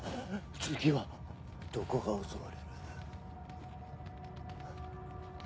次はどこが襲われる？」。